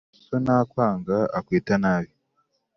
So ntakwanga, akwita nabi.